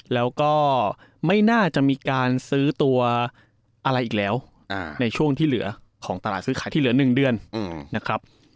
แล้วก็ไม่น่าจะมีการซื้อตัวอะไรอีกแล้วในช่วงที่เหลือของตลาดซื้อขายที่เหลือ๑เดือนนะครับ